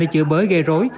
nên chữa bới gây rối